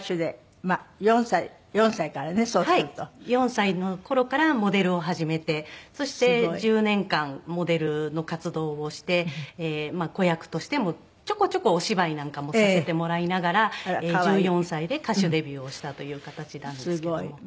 ４歳の頃からモデルを始めてそして１０年間モデルの活動をして子役としてもちょこちょこお芝居なんかもさせてもらいながら１４歳で歌手デビューをしたという形なんですけども。